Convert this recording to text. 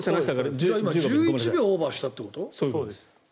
今、１１秒オーバーしたってこと？